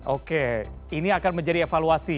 oke ini akan menjadi evaluasi